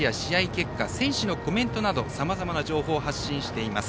結果選手のコメントなどさまざまな情報を発信しています。